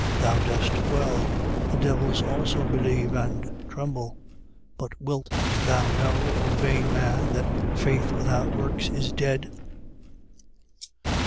Thou dost well: the devils also believe and tremble. 2:20. But wilt thou know, O vain man, that faith without works is dead?